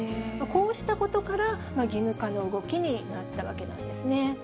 こうしたことから義務化の動きになったわけなんですね。